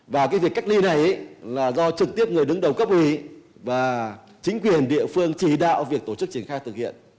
và cái việc cách ly này là do trực tiếp người đứng đầu cấp ủy và chính quyền địa phương chỉ đạo việc tổ chức triển khai thực hiện